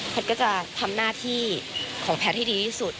แพทย์ก็จะทำหน้าที่ของแพทย์ที่ดีที่สุด